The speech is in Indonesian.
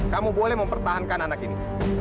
kamu boleh mempertahankan anak ini